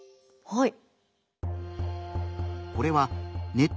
はい。